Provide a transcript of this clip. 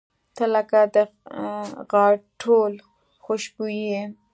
• ته لکه د غاټول خوشبويي یې.